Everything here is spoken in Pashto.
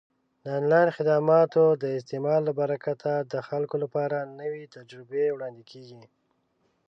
د آنلاین خدماتو د استعمال له برکته د خلکو لپاره نوې تجربې وړاندې کیږي.